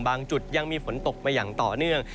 จุดยังมีฝนตกมาอย่างต่อเนื่อง